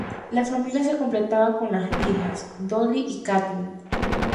La familia se completaba con las hijas: Dolly y Kathleen.